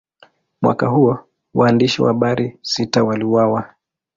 Mwaka huo, waandishi wa habari sita waliuawa.